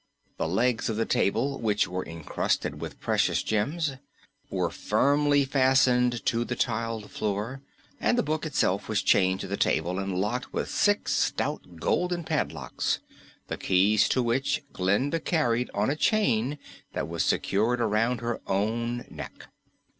The legs of the table, which were incrusted with precious gems, were firmly fastened to the tiled floor, and the book itself was chained to the table and locked with six stout golden padlocks, the keys to which Glinda carried on a chain that was secured around her own neck.